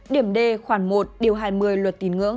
điểm đề khoảng một điều hai mươi luật tín ngưỡng